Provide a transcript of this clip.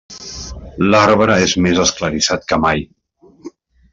L'arbre és més esclarissat que mai.